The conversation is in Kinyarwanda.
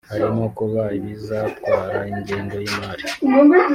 Harimo kuba bizatwara ingengo y’imari